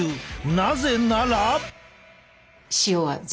なぜなら。